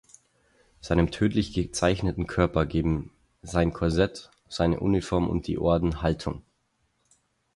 Seinem tödlich gezeichneten Körper geben sein Korsett, seine Uniform und die Orden Haltung.